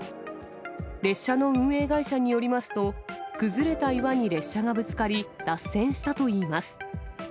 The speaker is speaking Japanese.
列車の運営会社によりますと、崩れた岩に列車がぶつかり、脱線したといいます。